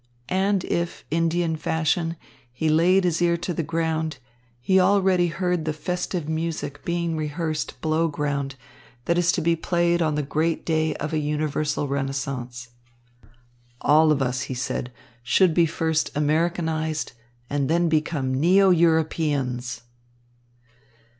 And if, Indian fashion, he laid his ear to the ground, he already heard the festive music being rehearsed below ground that is to be played on the great day of a universal renaissance. "All of us," he said, "should first be Americanized and then become neo Europeans."